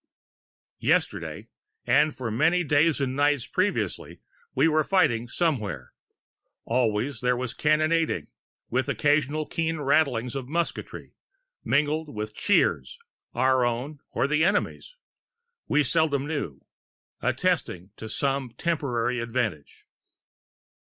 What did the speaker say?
Yesterday, and for many days and nights previously, we were fighting somewhere; always there was cannonading, with occasional keen rattlings of musketry, mingled with cheers, our own or the enemy's, we seldom knew, attesting some temporary advantage.